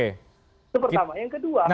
itu pertama yang kedua